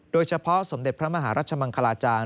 โดยเฉพาะสมเด็จพระมหารัชมังคลาจาน